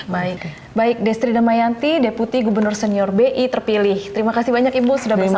baik baik destri damayanti deputi gubernur senior bi terpilih terima kasih banyak ibu sudah bersama